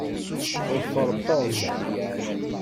Ḍfer Tom.